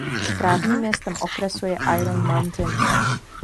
Správním městem okresu je Iron Mountain.